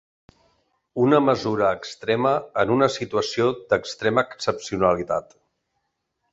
Una mesura extrema en una situació d’extrema excepcionalitat.